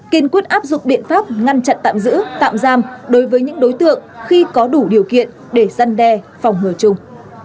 kiên quyết áp dụng biện pháp ngăn chặn tạm giữ tạm giam đối với những đối tượng khi có đủ điều kiện để gian đe phòng ngừa chung